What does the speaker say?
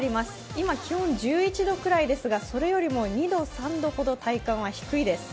今、気温１１度くらいですが、それよりも２度、３度ほど体感は低いです。